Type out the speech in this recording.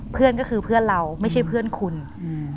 เพื่อนก็คือเพื่อนเราไม่ใช่เพื่อนคุณอืม